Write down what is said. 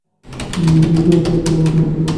এই শরীর ত্যাগ করো, আর নতুন বডিতে প্রবেশ কোরো।